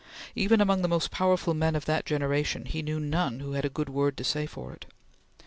Even among the most powerful men of that generation he knew none who had a good word to say for it.